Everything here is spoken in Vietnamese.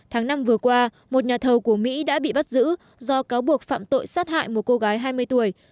tháng năm vừa qua một nhà thầu của mỹ đã bị bắt giữ do cáo buộc phạm tội sát hại một cô gái hai mươi tuổi